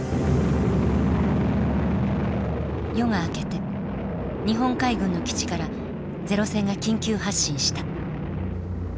夜が明けて日本海軍の基地からゼロ戦が緊急発進した。